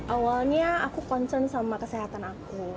awalnya aku concern sama kesehatan aku